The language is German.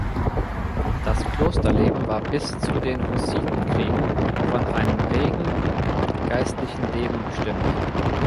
Das Klosterleben war bis zu den Hussitenkriegen von einem regen geistlichen Leben bestimmt.